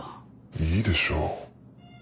いいでしょう。